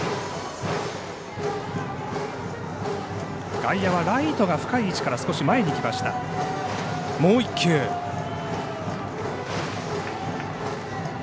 外野はライトが深い位置から前に来ました。